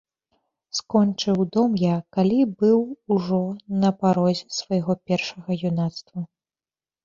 Скончыў дом я, калі быў ужо на парозе свайго першага юнацтва.